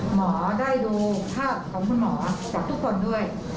หมอได้ดูภาพของคุณหมอจากทุกคนด้วย